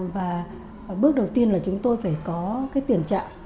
và bước đầu tiên là chúng tôi phải có cái tình trạng